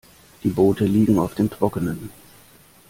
Die Boote liegen auf dem Trockenen.